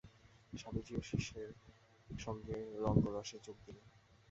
স্বামীজীও শিষ্যের সঙ্গে রঙ্গ-রহস্যে যোগ দিলেন।